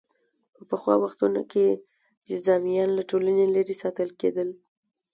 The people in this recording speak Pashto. په پخوا وختونو کې جذامیان له ټولنې لرې ساتل کېدل.